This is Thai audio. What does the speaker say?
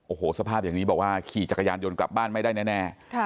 โอ้โหสภาพอย่างนี้บอกว่าขี่จักรยานยนต์กลับบ้านไม่ได้แน่